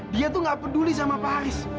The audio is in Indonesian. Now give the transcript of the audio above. dia tuh gak peduli sama pak ais